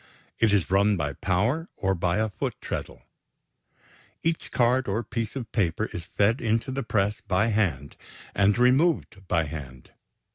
It is run by power or by a foot treadle. Each card or piece of paper is fed into the press by hand and removed by hand.